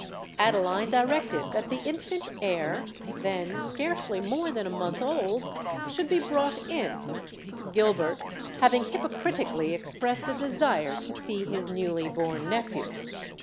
Adeline directed that the infant heir—then scarcely more than a month old—should be brought in, Gilbert having hypocritically expressed a desire to see his newly born nephew.